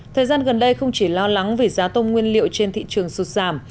thời gian gần đây không chỉ lo lắng vì giá tôm nguyên liệu trên thị trường sụt giảm